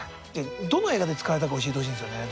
どの映画で使われたか教えてほしいんですよね